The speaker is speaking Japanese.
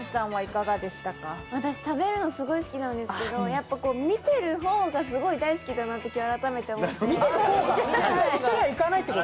私、食べるの好きなんですけどやっぱ見てる方が大好きだなって改めて思って。